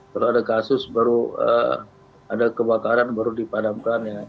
kalau ada kasus baru ada kebakaran baru dipadamkan ya